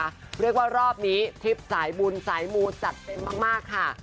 เรียกว่ารอบนี้ทริปสายบุญสายมูจัดเต็มมากค่ะ